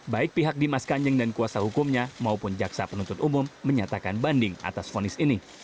baik pihak dimas kanjeng dan kuasa hukumnya maupun jaksa penuntut umum menyatakan banding atas fonis ini